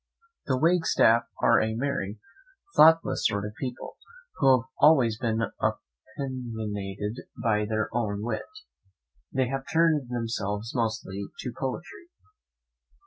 The Wagstaffs are a merry, thoughtless sort of people, who have always been opinionated of their own wit; they have turned themselves mostly to poetry.